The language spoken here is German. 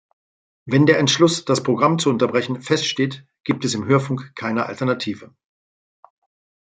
Wenn der Entschluss, das Programm zu unterbrechen, feststeht, gibt es im Hörfunk keine Alternative.